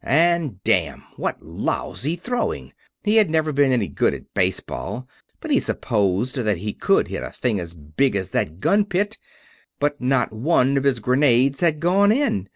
And damn! What lousy throwing! He had never been any good at baseball, but he supposed that he could hit a thing as big as that gun pit but not one of his grenades had gone in.